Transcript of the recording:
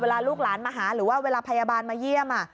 ลูกหลานมาหาหรือว่าเวลาพยาบาลมาเยี่ยม